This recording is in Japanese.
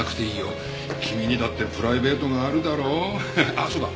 あっそうだ。